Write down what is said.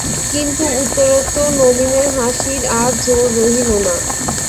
কিন্তু, উত্তরোত্তর নলিনের হাসির আর জোর রহিল না।